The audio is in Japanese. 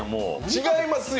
違いますよ！